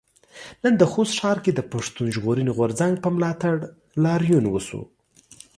نن د خوست ښار کې د پښتون ژغورنې غورځنګ په ملاتړ لاريون وشو.